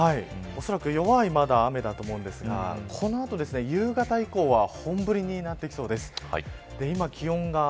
おそらくまだ弱い雨だと思うんですがこの後、夕方以降は本降りになってきそうです。